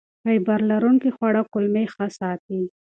فایبر لرونکي خواړه کولمې ښه ساتي.